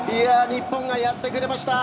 日本がやってくれました！